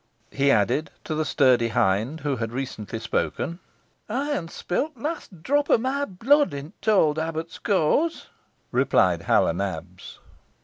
he added, to the sturdy hind who had recently spoken. "Ey'n spill t' last drop o' meh blood i' t' owd abbut's keawse," replied Hal o' Nabs.